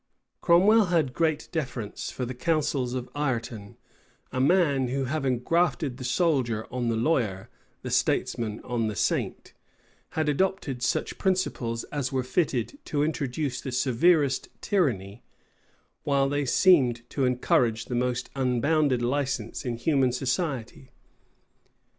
[] Cromwell had great deference for the counsels of Ireton, a man who, having grafted the soldier on the lawyer the statesman on the saint, had adopted such principles as were fitted to introduce the severest tyranny, while they seemed to encourage the most unbounded license in human society.